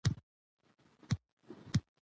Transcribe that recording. زموږ د کلي کوڅې باید تل له کثافاتو څخه پاکې وساتل شي.